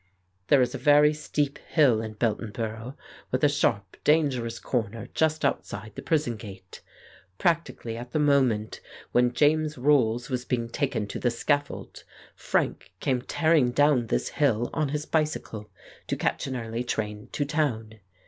"There is a very steep hill in Beltonborough with a sharp, dangerous corner just outside the prison gate. Practically at the moment when James Rolls was being taken to the scaffold, Frank came tearing down this hill on his bicycle to catch an early train to town.